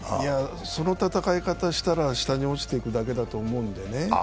その戦い方したら下に落ちていくだけだと思うんでね